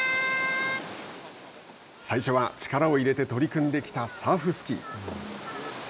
最初は、力を入れて取り組んできたサーフスキー。